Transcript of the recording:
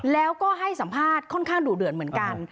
แล้วก็ให้สัมภาษณ์ค่อนข้างดุเดือดเหมือนกัน